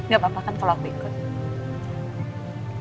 gak apa apa kan kalau aku ikut